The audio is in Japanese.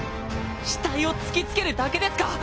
死体を突きつけるだけですか？